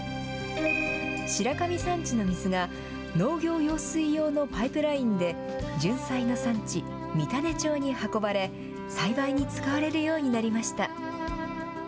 白神山地の水が、農業用水用のパイプラインで、じゅんさいの産地、三種町に運ばれ、栽培に使われるようになりました。